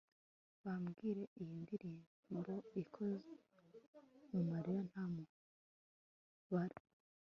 Babwire iyi ndirimbo ikozwe mumarira nta mubare